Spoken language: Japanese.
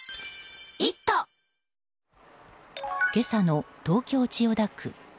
今朝の、東京・千代田区。